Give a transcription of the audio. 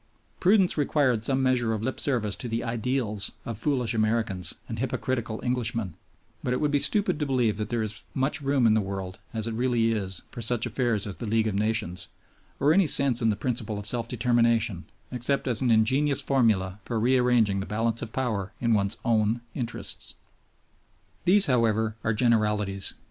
Prudence required some measure of lip service to the "ideals" of foolish Americans and hypocritical Englishmen; but it would be stupid to believe that there is much room in the world, as it really is, for such affairs as the League of Nations, or any sense in the principle of self determination except as an ingenious formula for rearranging the balance of power in one's own interests. These, however, are generalities.